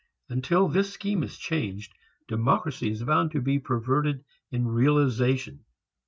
Until this scheme is changed, democracy is bound to be perverted in realization.